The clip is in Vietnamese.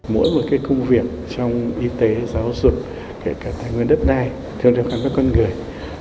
mỗi một công việc trong y tế giáo dục kể cả tại nguyên đất này thường đều khán phá con người